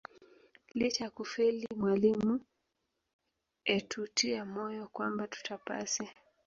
"Licha ya kufeli mwalimu, etutia moyo kwamba tutapasi"